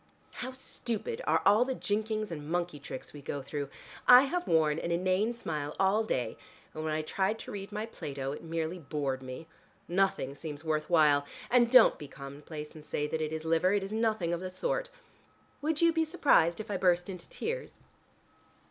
How stupid are all the jinkings and monkey tricks we go through! I have worn an inane smile all day, and when I tried to read my Plato, it merely bored me. Nothing seems worth while. And don't be commonplace, and say that it is liver. It is nothing of the sort. Would you be surprised if I burst into tears?"